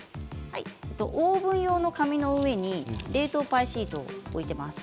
オーブン用の紙の上に冷凍パイシートを置いています。